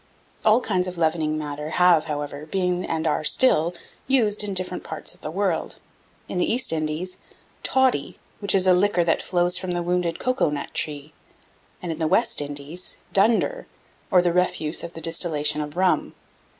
All kinds of leavening matter have, however, been, and are still used in different parts of the world: in the East Indies, "toddy," which is a liquor that flows from the wounded cocoa nut tree; and, in the West Indies, "dunder," or the refuse of the distillation of rum.